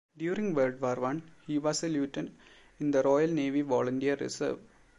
During World War One he was a lieutenant in the Royal Navy Volunteer Reserve.